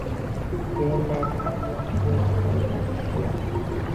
সে Latvia থেকে এসেছে, Latvia.